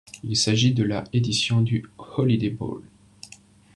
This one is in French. Il s'agit de la édition du Holiday Bowl.